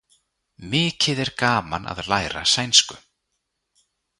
Mikið er gaman að læra sænsku.